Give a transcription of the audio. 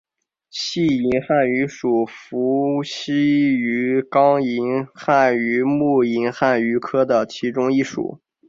细银汉鱼属为辐鳍鱼纲银汉鱼目银汉鱼科的其中一属。